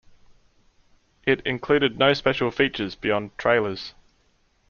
It included no special features beyond trailers.